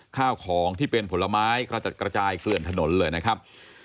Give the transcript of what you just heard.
ข้าวของที่เป็นผลไม้กระจัดกระจายเกลื่อนถนนเลยนะครับ